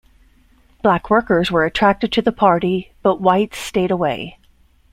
Black workers were attracted to the party, but whites stayed away.